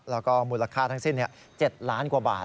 แล้วก็มูลค่าทั้งสิ้น๗ล้านกว่าบาท